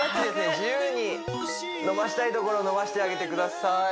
自由に伸ばしたいところを伸ばしてあげてください